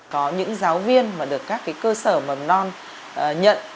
có những giáo viên mà được các cơ sở mầm non nhận